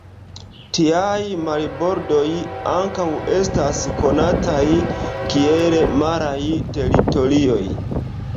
Tiaj marbordoj ankaŭ estas konataj kiel maraj teritorioj.